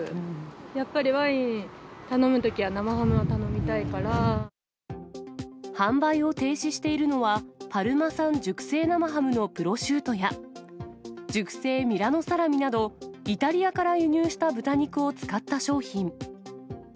やっぱりワイン頼むときは生ハム販売を停止しているのは、パルマ産熟成生ハムのプロシュートや、熟成ミラノサラミなど、イタリアから輸入した豚肉を使った商品。